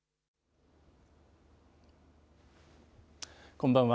こんばんは。